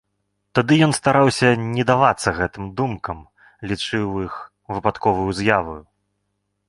Тады ён стараўся не давацца гэтым думкам, лічыў іх выпадковаю з'яваю.